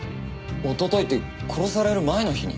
おとといって殺される前の日に？